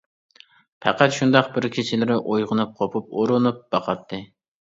پەقەت شۇنداق بىر كېچىلىرى ئويغىنىپ قوپۇپ ئۇرۇنۇپ باقاتتى.